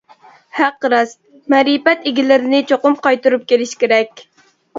ھەق راست، مەرىپەت ئىگىلىرىنى چوقۇم قايتۇرۇپ كېلىش كېرەك.